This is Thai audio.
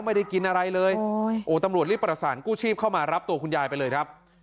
ไม่ได้กินอะไรเลยโอ้ตำรวจรีบประสานกู้ชีพเข้ามารับตัวคุณยายไปเลยครับ